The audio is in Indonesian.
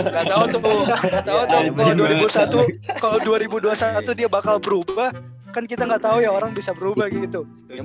kalau dua ribu dua puluh satu dia bakal berubah kan kita nggak tahu ya orang bisa berubah gitu